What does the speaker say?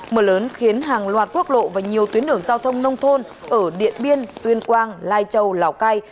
mưa lớn khiến hàng loạt quốc lộ và nhiều tuyến đường giao thông nông thôn ở điện biên tuyên quang lai châu lào cai